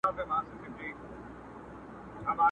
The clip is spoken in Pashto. که یوازي دي په نحو خوله خوږه ده،